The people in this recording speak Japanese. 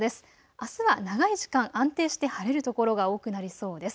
あすは長い時間、安定して晴れる所が多くなりそうです。